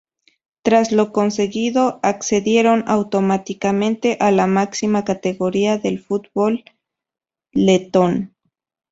Tras lo conseguido accedieron automáticamente a la máxima categoría del fútbol letón.